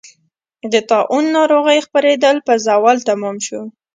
د طاعون ناروغۍ خپرېدل په زوال تمام شو.